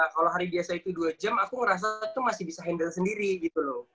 kalau hari biasa itu dua jam aku ngerasa itu masih bisa handle sendiri gitu loh